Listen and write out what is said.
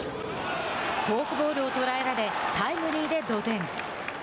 フォークボールを捉えられタイムリーで同点。